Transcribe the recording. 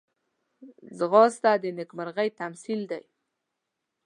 ځغاسته د نېکمرغۍ تمثیل دی